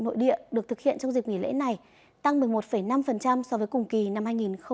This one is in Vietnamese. nội địa được thực hiện trong dịp nghỉ lễ này tăng một mươi một năm so với cùng kỳ năm hai nghìn một mươi chín